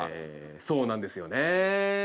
そうなんですよね。